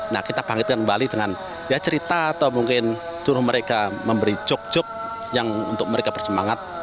nah kita bangkitkan kembali dengan ya cerita atau mungkin suruh mereka memberi jok jok yang untuk mereka bersemangat